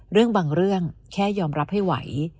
เรื่องบางเรื่องแค่ยอมรับให้ไหว